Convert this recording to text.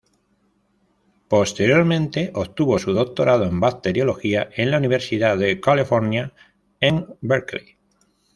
Posteriormente, obtuvo su doctorado en bacteriología en la Universidad de California, en Berkeley.